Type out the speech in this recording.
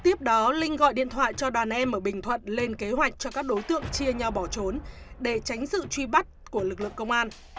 tiếp đó linh gọi điện thoại cho đàn em ở bình thuận lên kế hoạch cho các đối tượng chia nhau bỏ trốn để tránh sự truy bắt của lực lượng công an